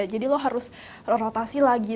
jadi lo harus rotasi lagi